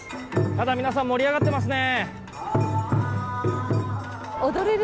ただ皆さん盛り上がってますね。